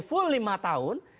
full lima tahun